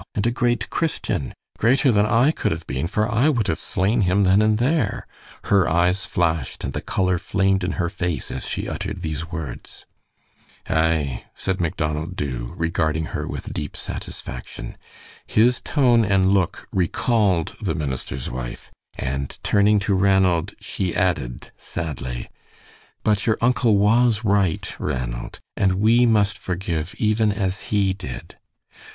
And a great Christian. Greater than I could have been, for I would have slain him then and there." Her eyes flashed, and the color flamed in her face as she uttered these words. "Aye," said Macdonald Dubh, regarding her with deep satisfaction. His tone and look recalled the minister's wife, and turning to Ranald, she added, sadly: "But your uncle was right, Ranald, and we must forgive even as he did."